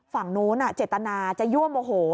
ฝั่งโน้นเจตนาจะย่วมโอโห